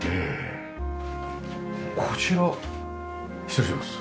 こちら失礼します。